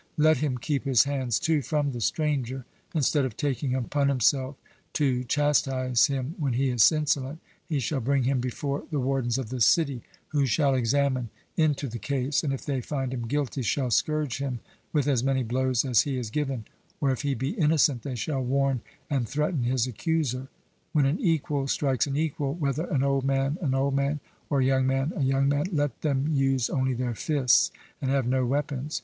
Let him keep his hands, too, from the stranger; instead of taking upon himself to chastise him when he is insolent, he shall bring him before the wardens of the city, who shall examine into the case, and if they find him guilty, shall scourge him with as many blows as he has given; or if he be innocent, they shall warn and threaten his accuser. When an equal strikes an equal, whether an old man an old man, or a young man a young man, let them use only their fists and have no weapons.